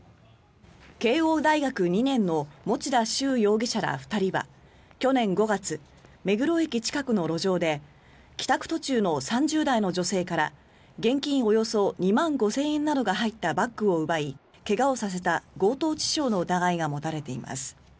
慶応大学２年の持田崇容疑者ら２人は去年５月目黒駅近くの路上で帰宅途中の３０代の女性から現金およそ２万５０００円などが入ったバッグを奪い怪我をさせた強盗致傷の疑いが持たれています。